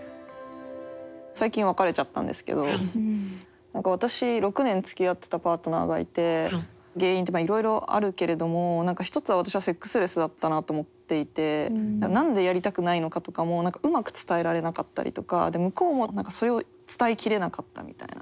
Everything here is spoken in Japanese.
最近別れちゃったんですけど私６年つきあってたパートナーがいて原因っていろいろあるけれども何か一つは私はセックスレスだったなと思っていて何でやりたくないのかとかもうまく伝えられなかったりとか向こうもそれを伝え切れなかったみたいな。